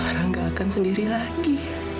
ya nggak akan sendiri lagi